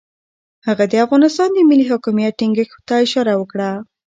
هغه د افغانستان د ملي حاکمیت ټینګښت ته اشاره وکړه.